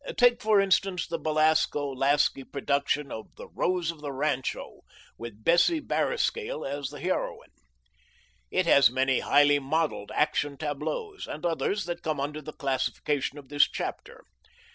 Take, for instance, the Belasco Lasky production of The Rose of the Rancho with Bessie Barriscale as the heroine. It has many highly modelled action tableaus, and others that come under the classification of this chapter.